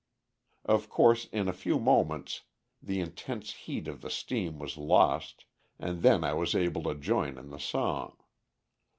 Of course, in a few moments the intense heat of the steam was lost, and then I was able to join in the song.